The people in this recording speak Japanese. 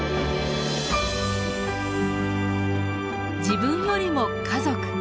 自分よりも家族。